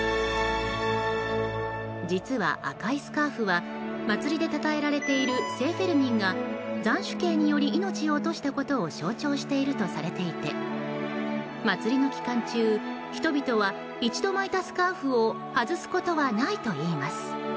実は、赤いスカーフは祭りでたたえられている聖フェルミンが斬首刑により命を落としたことを象徴しているとされていて祭りの期間中、人々は一度巻いたスカーフを外すことはないといいます。